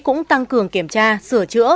cũng tăng cường kiểm tra sửa chữa